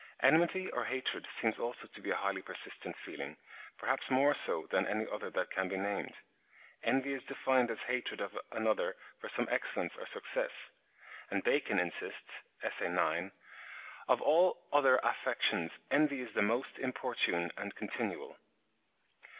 Enmity or hatred seems also to be a highly persistent feeling, perhaps more so than any other that can be named. Envy is defined as hatred of another for some excellence or success; and Bacon insists (Essay ix.), "Of all other affections envy is the most importune and continual."